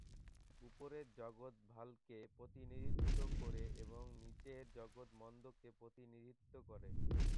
উপরের জগৎ ভালকে প্রতিনিধিত্ব করে এবং নিচের জগৎ মন্দকে প্রতিনিধিত্ব করে।